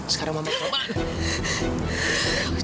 sekarang mama ke rumah